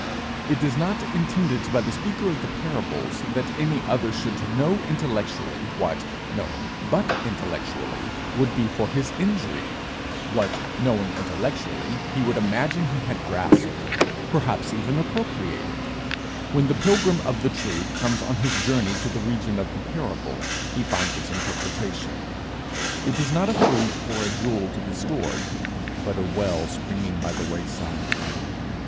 It is not intended by the speaker of the parables that any other should know intellectually what, known but intellectually, would be for his injury what knowing intellectually he would imagine he had grasped, perhaps even appropriated. When the pilgrim of the truth comes on his journey to the region of the parable, he finds its interpretation. It is not a fruit or a jewel to be stored, but a well springing by the wayside.